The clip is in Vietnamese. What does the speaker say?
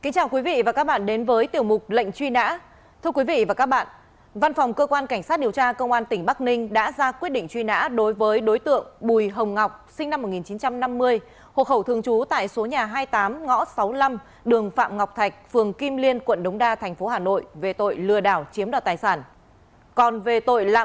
chào mừng quý vị đến với tiểu mục lệnh truy nã